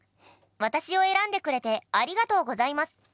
私を選んでくれてありがとうございます。